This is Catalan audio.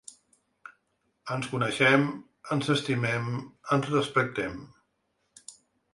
Ens coneixem, ens estimem, ens respectem.